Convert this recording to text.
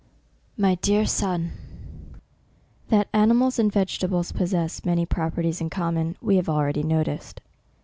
My Dear Son, That animals and vegetables possess many properties in common, we have alrea dy noticed.